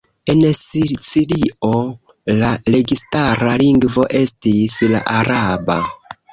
En Sicilio la registara lingvo estis la araba.